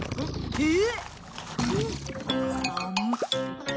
えっ？